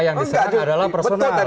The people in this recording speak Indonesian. yang diserang adalah personal